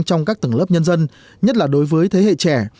trong các tầng lớp nhân dân nhất là đối với thế hệ trẻ